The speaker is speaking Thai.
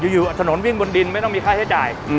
อยู่ถนนวิ่งบนดินไม่ต้องมีค่าใช้จ่าย